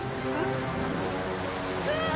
うわ！